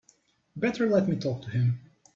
Better let me talk to him.